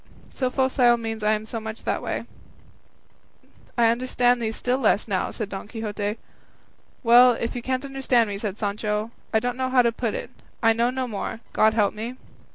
"'So focile' means I am so much that way," replied Sancho. "I understand thee still less now," said Don Quixote. "Well, if you can't understand me," said Sancho, "I don't know how to put it; I know no more, God help me."